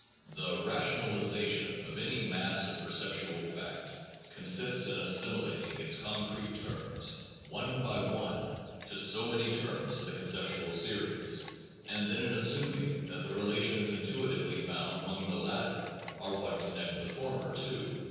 The rationalization of any mass of per ceptual fact consists in assimilating its con And in crete terms, one by one, to so many terms of the conceptual series, and then in assuming that the relations intuitively found among the latter are what connect the former too.